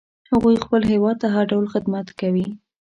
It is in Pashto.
هغوی خپل هیواد ته هر ډول خدمت کوي